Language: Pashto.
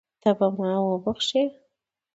ته به ما وبښې.